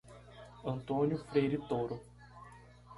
Antônio Freire Touro